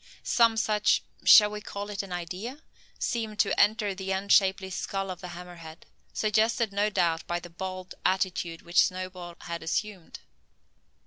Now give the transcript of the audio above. Some such shall we call it an idea? seemed to enter the unshapely skull of the hammer head, suggested no doubt by the bold attitude which Snowball had assumed.